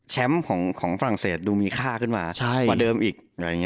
ของฝรั่งเศสดูมีค่าขึ้นมากว่าเดิมอีก